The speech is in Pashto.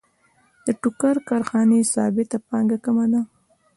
د ټوکر کارخانې ثابته پانګه کمه ده